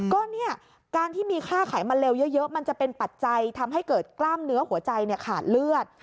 ก็เนี่ยการที่มีค่าไขมันเร็วเยอะมันจะเป็นปัจจัยทำให้เกิดกล้ามเนื้อหัวใจขาดเลือด